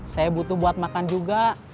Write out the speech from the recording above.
saya butuh buat makan juga